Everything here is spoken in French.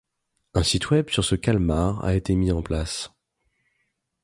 Un site web sur ce calmar a été mis en place.